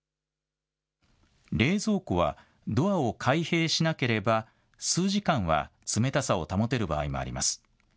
冷蔵庫はドアを開閉しなければ数時間は冷たさを保てる場合もあります。